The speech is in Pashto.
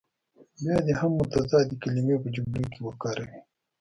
بیا دې هغه متضادې کلمې په جملو کې وکاروي.